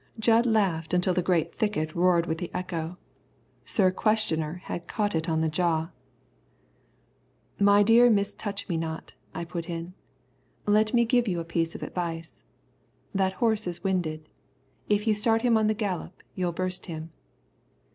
Jud laughed until the great thicket roared with the echo. Sir Questioner had caught it on the jaw. "My dear Miss Touch me not," I put in, "let me give you a piece of advice. That horse is winded. If you start him on the gallop, you'll burst him."